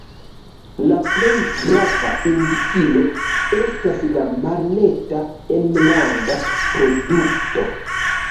La plej grava indikilo estas la Malneta Enlanda Produkto.